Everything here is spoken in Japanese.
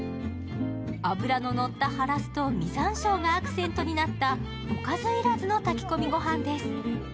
脂ののったハラスと実さんしょうがアクセントになったおかず要らずの炊き込みご飯です。